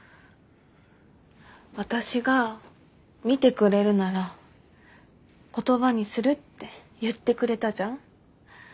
私が見てくれるなら言葉にするって言ってくれたじゃん。